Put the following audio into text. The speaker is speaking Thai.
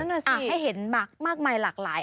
อ่ะให้เห็นมากมายหลากหลาย